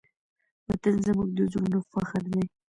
وطن زموږ د زړونو فخر دی.